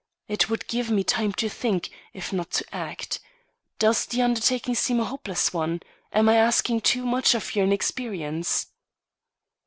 It would give me time to think, if not to act. Does the undertaking seem a hopeless one? Am I asking too much of your inexperience?"